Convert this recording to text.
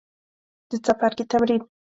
د څپرکي تمرین